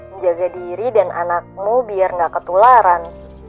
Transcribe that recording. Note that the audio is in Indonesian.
menjaga diri dan anakmu biar nggak ketularan